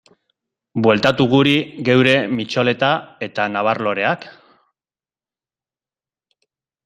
Bueltatu guri geure mitxoleta eta nabar-loreak?